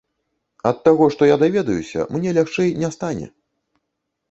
Ад таго, што я даведаюся, мне лягчэй не стане.